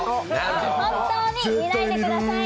本当に見ないでください。